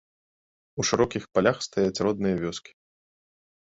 У шырокіх палях стаяць родныя вёскі.